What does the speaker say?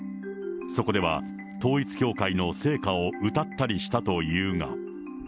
そこでは、統一教会の聖歌を歌ったりしたというが。